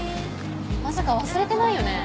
まさか忘れてないよね。